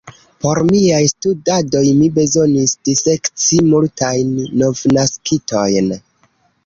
Por miaj studadoj mi bezonis disekci multajn novnaskitojn.